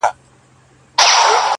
o تا چي پر لمانځه له ياده وباسم.